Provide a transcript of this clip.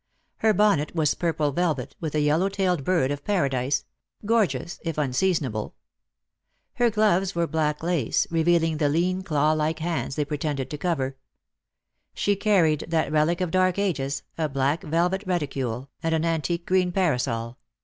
Her bonnet was purple velvet, with a yellow tailed bird of paradise — gorgeous if unseasonable. Her gloves were black lace, revealing the lean claw like hands they pretended to cover. She carried that relic of dark ages, a black velvet reticule, and an antique green parasol.